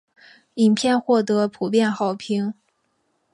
影片获得普遍好评。